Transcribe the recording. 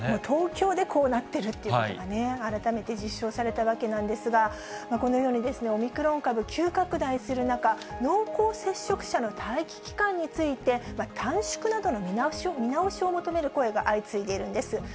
東京でこうなってるということが改めて実証されたわけなんですが、このようにですね、オミクロン株、急拡大する中、濃厚接触者の待機期間について、短縮などの見直しを求める声が相次いでいるんです。